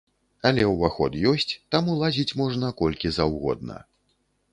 Але ўваход ёсць, таму лазіць можна колькі заўгодна.